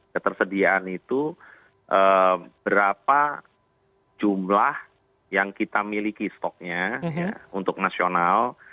ketersediaan itu berapa jumlah yang kita miliki stoknya untuk nasional